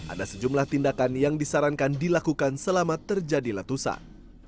ada sejumlah tindakan yang disarankan dilakukan selama terjadi letusan